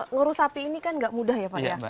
ngurus sapi ini kan gak mudah ya pak ya